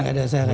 nggak ada syarat